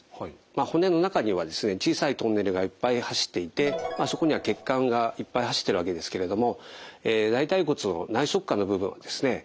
骨の中には小さいトンネルがいっぱい走っていてそこには血管がいっぱい走っているわけですけれども大腿骨の内側顆の部分をですね